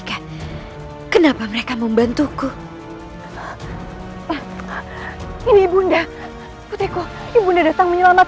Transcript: aku harus mencari tempat yang lebih aman